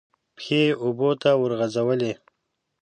پښې یې اوبو ته ورغځولې.